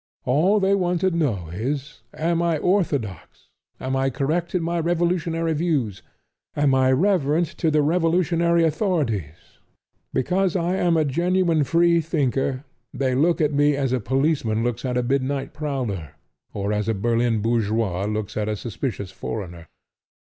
All they want to know is; Am I orthodox? Am I correct in my revolutionary views? Am I reverent to the revolutionary authorities? Because I am a genuine free thinker they look at me as a policeman looks at a midnight prowler or as a Berlin bourgeois looks at a suspicious foreigner.